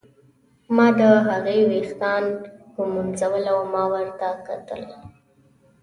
ما د هغې ویښتان ږمونځول او ما ورته کتل.